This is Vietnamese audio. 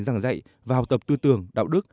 giảng dạy và học tập tư tưởng đạo đức